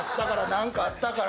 何かあったから。